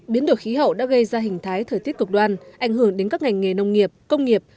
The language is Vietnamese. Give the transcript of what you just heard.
biến đổi khí hậu đã gây ra hình thái thời tiết cực đoan ảnh hưởng đến các ngành nghề nông nghiệp công nghiệp